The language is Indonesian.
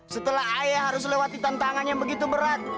setelah ayah harus lewati tantangan yang begitu berat